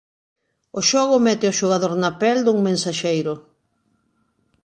O xogo mete ao xogador na pel dun mensaxeiro.